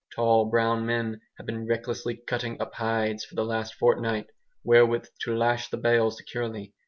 Tall brown men have been recklessly cutting up hides for the last fortnight, wherewith to lash the bales securely.